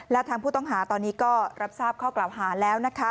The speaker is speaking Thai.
และทางผู้ต้องหาตอนนี้ก็รับทราบข้อกล่าวหาแล้วนะคะ